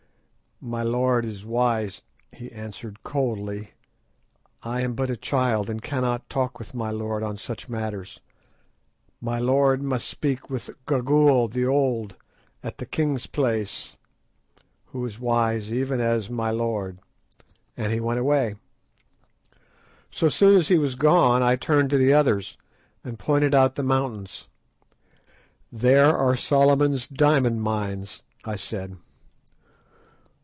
"My lord is wise," he answered coldly; "I am but a child and cannot talk with my lord on such matters. My lord must speak with Gagool the old, at the king's place, who is wise even as my lord," and he went away. So soon as he was gone I turned to the others, and pointed out the mountains. "There are Solomon's diamond mines," I said.